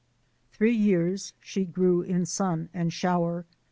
THREE years she grew in sun and shower.